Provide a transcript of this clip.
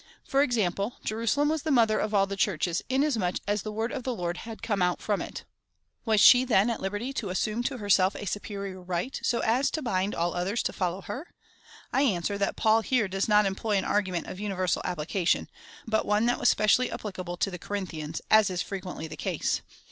For ex ample, Jerusalem was the mother of all the Churches, inas much as the word of the Lord had come out from it. Was she then at liberty to assume to herself a superior right, so as to bind all others to follow her? I answer, that Paul here does not employ an argument of universal application, but one that was specially applicable to the Corinthians, as is frequently the case.